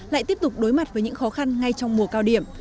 lại tiếp tục đối mặt với những khó khăn ngay trong mùa cao điểm